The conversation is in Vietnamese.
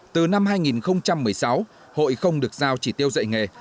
từ năm hai nghìn một mươi sáu hội không được giao chỉ tiêu dạy nghề